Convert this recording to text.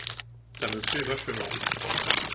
Ça me plait vachement.